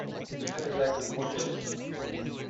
You have exactly one minute.